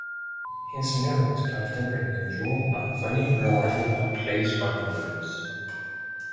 His lyrics, often written in joual, are funny, relying upon plays on words.